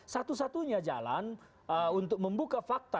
satu satunya jalan untuk membuka fakta